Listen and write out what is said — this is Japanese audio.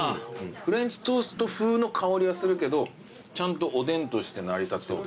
フレンチトースト風の香りはするけどちゃんとおでんとして成り立つぞって感じ。